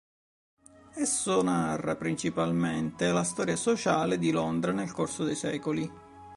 Esso narra principalmente la storia sociale di Londra nel corso dei secoli.